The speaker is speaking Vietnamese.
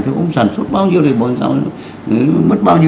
thì không sản xuất bao nhiêu